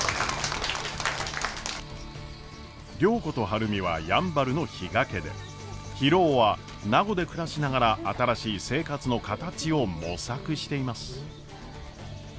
良子と晴海はやんばるの比嘉家で博夫は名護で暮らしながら新しい生活の形を模索しています。